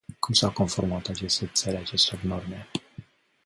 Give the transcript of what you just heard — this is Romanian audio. Cum s-au conformat aceste țări acestor norme?